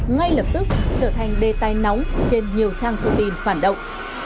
ngay lập tức trở thành đê tay nóng trên nhiều trang thông tin phản động